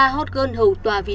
ba hot girl hầu tòa viện